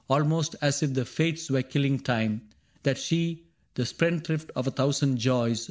Almost as if the Fates were killing time. That she, the spendthrift of a thousand joys.